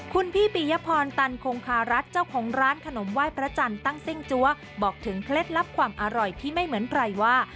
คุณพี่ปียพรตันคงคารัฐเจ้าของร้านขนมไหว้พระจันทร์ตั้งซิ่งจั๊วบอกถึงเคล็ดลับความอร่อยที่ไม่เหมือนใครว่า